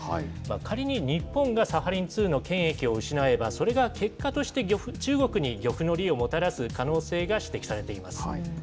仮に、日本がサハリン２の権益を失えば、それが結果として、中国に漁夫の利をもたらす可能性が指摘されています。